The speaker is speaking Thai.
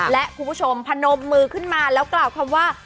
และคุณผู้ชมพนมมือขึ้นมาแล้วกล่าวคำว่า